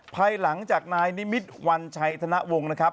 ภายหลังจากนายนิมิตรวัญชัยธนวงศ์นะครับ